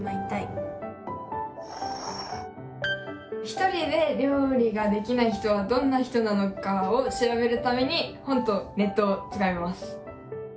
ひとりで料理ができない人はどんな人なのかを調べるために本とネットを使います。